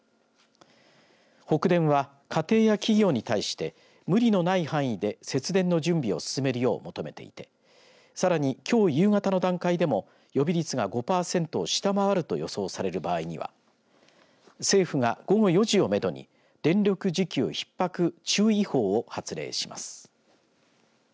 北電は、家庭や企業に対して無理のない範囲で節電の準備を進めるよう求めていてさらに、きょう夕方の段階でも予備率が５パーセントを下回ると予想される場合には政府が、午後４時をめどに電力需給ひっ迫注意報を発令します。